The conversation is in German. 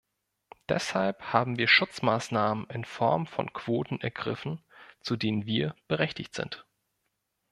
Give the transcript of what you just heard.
Deshalb haben wir Schutzmaßnahmen in Form von Quoten ergriffen, zu denen wir berechtigt sind.